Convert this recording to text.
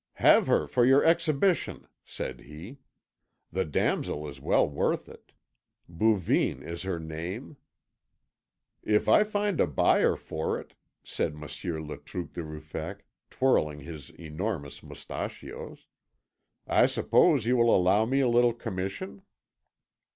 "Have her for your exhibition," said he. "The damsel is well worth it. Bouvines is her name." "If I find a buyer for it," said Monsieur Le True de Ruffec, twirling his enormous moustachios, "I suppose you will allow me a little commission?"